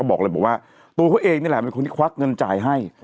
บอกเลยบอกว่าตัวเขาเองนี่แหละเป็นคนที่ควักเงินจ่ายให้